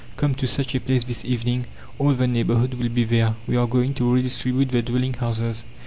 Come to such a place this evening; all the neighbourhood will be there; we are going to redistribute the dwelling houses.